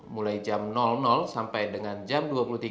mulai jam sampai dengan jam dua puluh tiga lima puluh sembilan